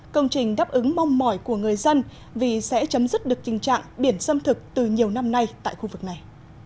công trình đáp ứng mong mỏi của người dân vì sẽ chấm dứt được tình trạng biển xâm thực từ nhiều năm nay tại khu vực này